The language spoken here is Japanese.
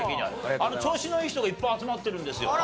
調子のいい人がいっぱい集まってるんですよ。